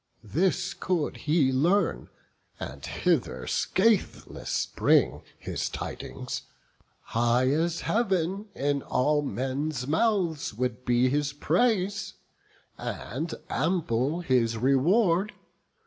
This could he learn, and hither scatheless bring His tidings, high as Heav'n in all men's mouths Would be his praise, and ample his reward.